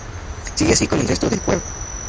Sigue así con el resto del cuerpo.